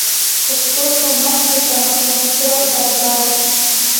پښتون په مرګ د شاه محمود شو برباد.